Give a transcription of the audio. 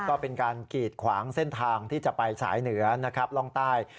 ก็เป็นการกีดขวางเส้นทางที่จะไปสายเหนือนะครับร่องใต้